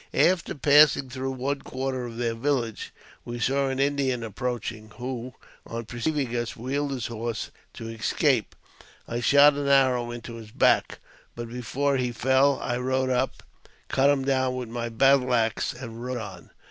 After passing through one quarter of the villageBl we saw an Indian approaching, who, on perceiving us, wheeled " his horse to escape. I shot an arrow into his back, but, before he fell, I rode up, cut him down with my battle axe, and rode on.